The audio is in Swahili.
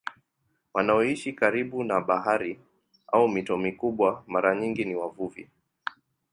Wanaoishi karibu na bahari au mito mikubwa mara nyingi ni wavuvi.